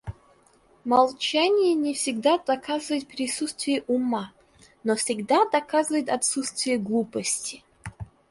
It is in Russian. Молчание не всегда доказывает присутствие ума, но всегда доказывает отсутствие глупости.